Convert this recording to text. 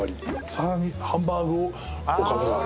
さらにハンバーグをおかず代わり。